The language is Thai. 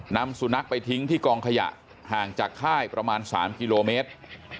นำสุนัขไปทิ้งที่กองขยะห่างจากค่ายประมาณ๓กิโลเมตร